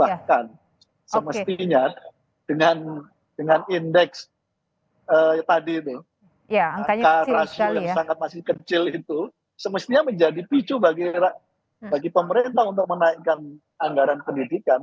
bahkan semestinya dengan indeks tadi itu angka rasio yang sangat masih kecil itu semestinya menjadi picu bagi pemerintah untuk menaikkan anggaran pendidikan